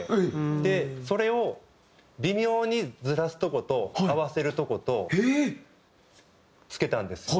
でそれを微妙にずらすとこと合わせるとこと付けたんですよ。